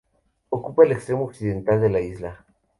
Ocupa el extremo occidental de la isla.